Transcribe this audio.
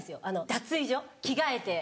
脱衣所着替えて。